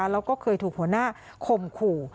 แล้วก็เคยถูกหัวหน้าคมขู่